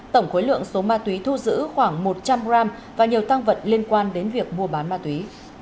tổng khối lượng số ma túy thu giữ khoảng một trăm linh g và nhiều tăng vật liên quan đến việc mua bán ma túy